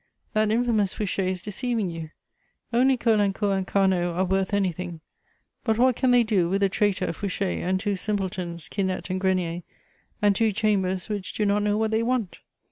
That infamous Fouché is deceiving you: only Caulaincourt and Carnot are worth anything; but what can they do, with a traitor, Fouché, and two simpletons, Quinette and Grenier, and two Chambers which do not know what they want?